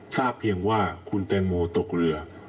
ทราบเพียงว่าคุณแตงโมตกเรือ